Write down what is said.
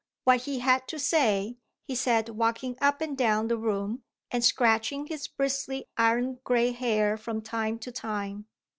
What he had to say, he said walking up and down the room, and scratching his bristly iron gray hair from time to time.